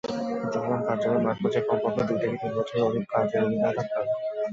ক্ষুদ্রঋণ কার্যক্রমে মাঠপর্যায়ে কমপক্ষে দুই থেকে তিন বছরের কাজের অভিজ্ঞতা থাকতে হবে।